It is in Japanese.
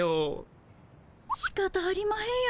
しかたありまへんよ